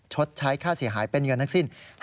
ชดใช้ค่าเสียหายเป็นเงินทั้งสิ้น